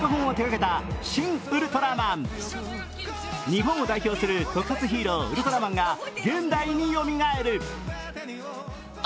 日本を代表する特撮ヒーロー、ウルトラマンが現代に蘇える。